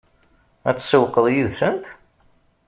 Ad tsewwqeḍ yid-sent?